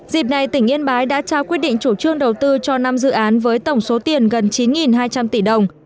dịp này tỉnh yên bái đã trao quyết định chủ trương đầu tư cho năm dự án với tổng số tiền gần chín hai trăm linh tỷ đồng